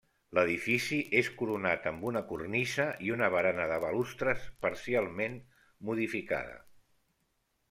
L'edifici és coronat amb una cornisa i una barana de balustres, parcialment modificada.